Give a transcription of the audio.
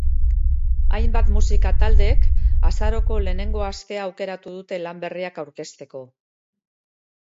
Hainbat musika taldek azaroko lehenengo astea aukeratu dute lan berriak aurkezteko.